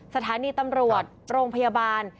สถานีตำรวจโรงพยาบาล